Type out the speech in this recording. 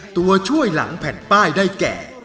ตัวช่วยหลังแผ่นป้ายได้แก่